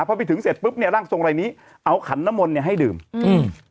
พอไปถึงเสร็จปุ๊บเนี้ยร่างทรงรายนี้เอาขันน้ำมนต์เนี้ยให้ดื่มอืม